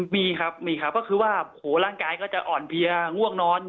มีครับมีครับก็คือว่าร่างกายก็จะอ่อนเพลียง่วงนอน